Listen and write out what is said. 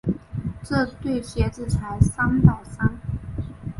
这对鞋子才三百三十。